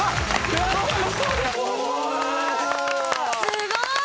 すごい！